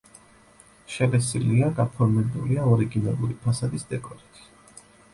შელესილია, გაფორმებულია ორიგინალური ფასადის დეკორით.